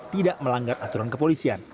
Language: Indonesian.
tidak melanggar aturan kepolisian